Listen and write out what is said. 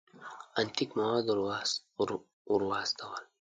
انتیک مواد ور واستول.